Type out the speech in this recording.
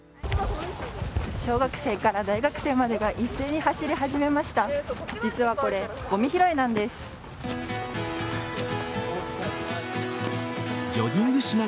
小学生から大学生までが一斉に走り始めました。